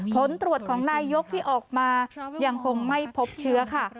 ผลตรวจของนายกที่ออกมายังคงไม่พบเชื้อค่ะ